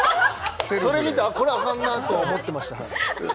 それ見て、これアカンなと思ってました。